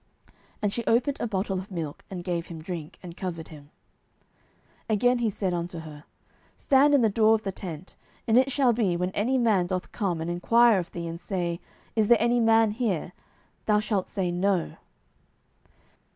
And she opened a bottle of milk, and gave him drink, and covered him. 07:004:020 Again he said unto her, Stand in the door of the tent, and it shall be, when any man doth come and enquire of thee, and say, Is there any man here? that thou shalt say, No.